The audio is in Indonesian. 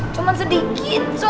cuma sedikit so